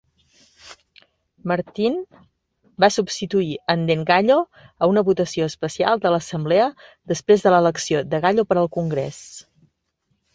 Martin va substituir en Dean Gallo a una votació especial de l"assemblea després de l"elecció de Gallo per al Congrés.